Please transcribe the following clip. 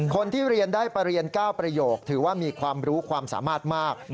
คนที่เรียนได้ประเรียน๙ประโยคถือว่ามีความรู้ความสามารถมาก